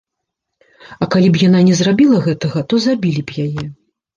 А калі б яна не зрабіла гэтага, то забілі б яе.